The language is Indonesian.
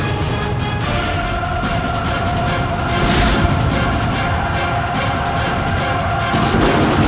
aku dan kamu and kepping di diri